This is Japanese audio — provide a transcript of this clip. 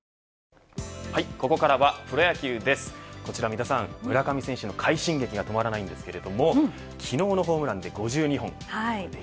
三田さん、村上選手の快進撃が止まらないんですが昨日のホームランで５２本。